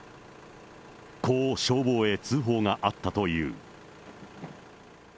こう消防へ通報があったという。